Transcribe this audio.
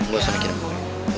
gak usah ngekitin gue